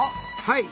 はい。